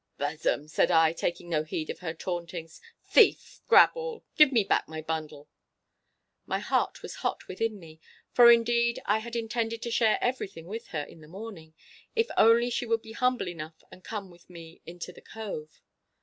'Besom!' said I, taking no heed of her tauntings; 'thief, grab all, give me back my bundle!' My heart was hot within me, for indeed I had intended to share everything with her in the morning, if only she would be humble enough and come with me into the cove.